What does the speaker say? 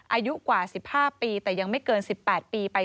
อายุกว่า๑๕ปีแต่ยังไม่เกิน๑๘ปีไป